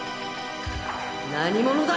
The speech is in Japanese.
何者だ！！